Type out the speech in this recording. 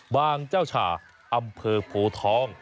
เจ้าฉ่าอำเภอโพทอง